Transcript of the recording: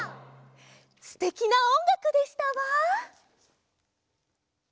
すてきなおんがくでしたわ。